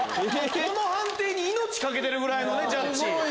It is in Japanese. この判定に命懸けてるぐらいのジャッジ。